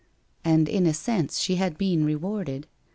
And in a sense she had been rewarded.